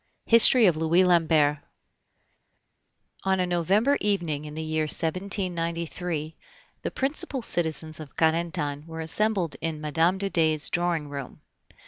HISTORY OF LOUIS LAMBERT. On a November evening in the year 1793 the principal citizens of Carentan were assembled in Mme. de Dey's drawing room.